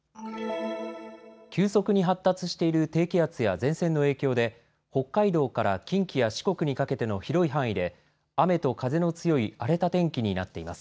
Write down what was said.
急速に発達している低気圧や前線の影響で北海道から近畿や四国にかけての広い範囲で雨と風の強い荒れた天気になっています。